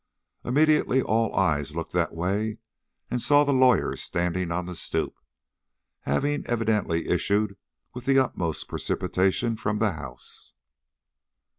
Immediately all eyes looked that way and saw the lawyer standing on the stoop, having evidently issued with the utmost precipitation from the house.